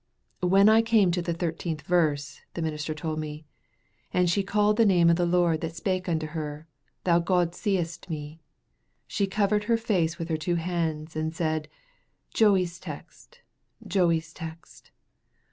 "When I came to the thirteenth verse," the minister told me, "'And she called the name of the Lord that spake unto her, Thou God seest me,' she covered her face with her two hands, and said, 'Joey's text, Joey's text.